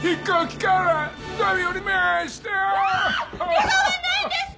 ケガはないんですか！？